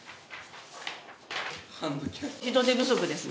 人手不足です。